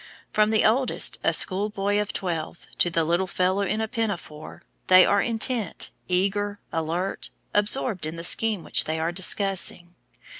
From the oldest, a school boy of twelve, to the little fellow in a pinafore, they are intent, eager, alert; absorbed in the scheme which they are discussing.